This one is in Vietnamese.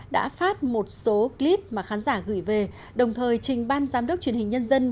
đã phát một số clip mà khán giả gửi về đồng thời trình ban giám đốc truyền hình nhân dân